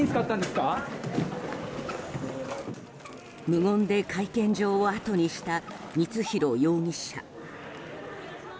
無言で会見場をあとにした光弘容疑者。